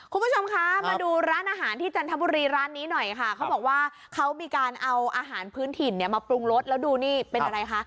คุณผู้ชมคะมาดูร้านอาหารที่จันทบุรีร้านนี้หน่อยค่ะเขาบอกว่าเขามีการเอาอาหารพื้นถิ่นเนี่ยมาปรุงรสแล้วดูนี่เป็นอะไรคะ